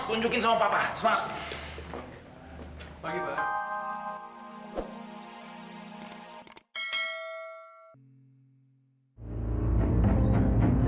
tunjukin sama papa semangat